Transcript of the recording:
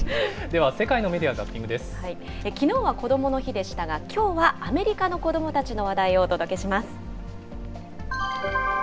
では、世界のメディア・ザッきのうはこどもの日でしたが、きょうはアメリカの子どもたちの話題をお届けします。